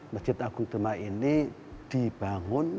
masjid agung tuma ini dibangun